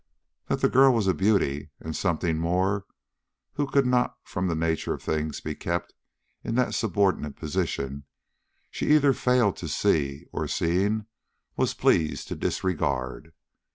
That the girl was a beauty and something more, who could not from the nature of things be kept in that subordinate position, she either failed to see, or, seeing, was pleased to disregard.